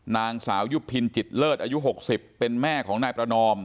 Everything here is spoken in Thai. นางสาวยุพินจิตเลิศอายุ๖๐เป็นแม่ของนายประนอม